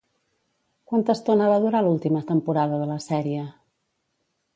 Quanta estona va durar l'última temporada de la sèrie?